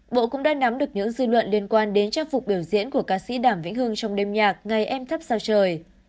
bộ cũng đã nắm được những dư luận liên quan đến trang phục biểu diễn của ca sĩ đàm vĩnh hương trong đêm nhạc ngày em thắp sao trời